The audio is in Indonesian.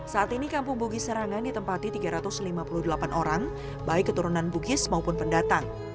saat ini kampung bugis serangan ditempati tiga ratus lima puluh delapan orang baik keturunan bugis maupun pendatang